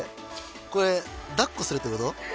これ抱っこするって事？